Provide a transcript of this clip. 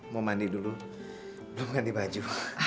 mau mandi dulu belum ganti baju